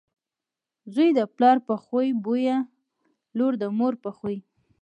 زوی دپلار په خوی بويه، لور دمور په خوی .